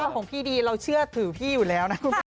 ของพี่ดีเราเชื่อถือพี่อยู่แล้วนะ